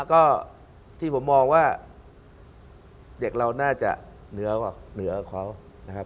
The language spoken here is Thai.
แล้วก็ที่ผมมองว่าเด็กเราน่าจะเหนือกว่าเหนือเขานะครับ